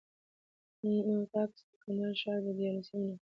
نوټ: عکس کي د کندهار ښار د ديارلسمي ناحيې